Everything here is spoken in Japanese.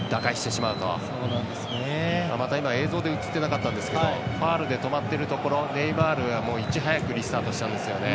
また、今、映像で映ってなかったんですけどファウルで止まっているところネイマールがいち早くリスタートしたんですよね。